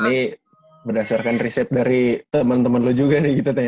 ini berdasarkan riset dari temen temen lu juga nih kita tanya nanya